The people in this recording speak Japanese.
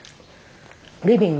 リビング。